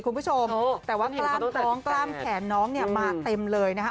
คุณผู้ชมแต่ว่ากล้ามท้องกล้ามแขนน้องเนี่ยมาเต็มเลยนะคะ